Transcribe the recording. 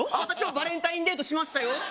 私もバレンタインデートしましたよ